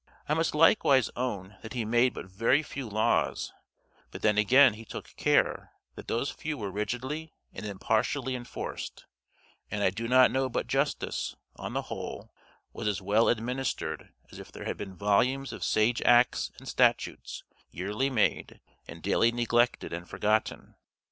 I must likewise own that he made but very few laws, but then again he took care that those few were rigidly and impartially enforced; and I do not know but justice, on the whole, was as well administered as if there had been volumes of sage acts and statutes yearly made, and daily neglected and forgotten.